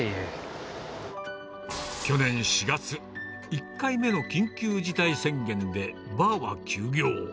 去年４月、１回目の緊急事態宣言でバーは休業。